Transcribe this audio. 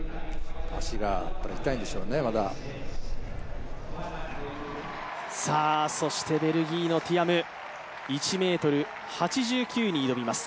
足が痛いんでしょうね、まだベルギーのティアム、１ｍ８９に挑みます。